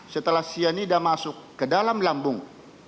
setelah cyanida masuk ke dalam lambung